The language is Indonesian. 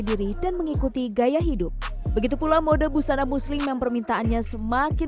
diri dan mengikuti gaya hidup begitu pula mode busana muslim yang permintaannya semakin